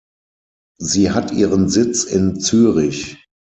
Sie hat ihren Sitz in Zürich.